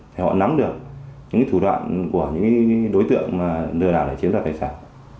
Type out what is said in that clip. để họ nắm được những thủ đoạn của những đối tượng mà lừa đảo để chiếm ra tài sản